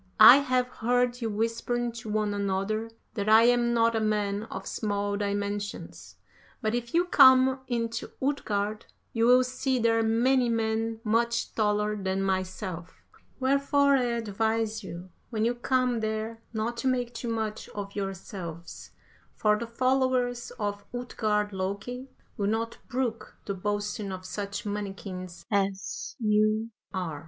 I have heard you whispering to one another that I am not a man of small dimensions; but if you come into Utgard you will see there many men much taller than myself. Wherefore I advise you, when you come there, not to make too much of yourselves, for the followers of Utgard Loki will not brook the boasting of such mannikins as ye are.